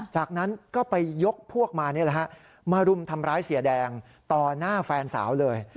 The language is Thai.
จากนั้นก็ไปยกพวกมามารุมทำร้ายเสียแดงต่อหน้าแฟนสาวเลย